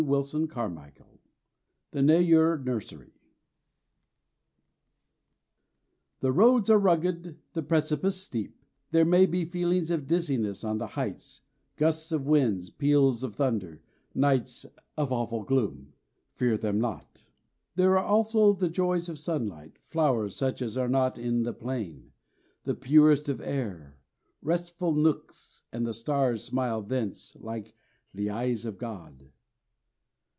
CHAPTER XVI The Neyoor Nursery "The roads are rugged, the precipices steep; there may be feelings of dizziness on the heights, gusts of wind, peals of thunder, nights of awful gloom. Fear them not! "There are also the joys of sunlight, flowers such as are not in the plain, the purest of air, restful nooks, and the stars smile thence like the eyes of God."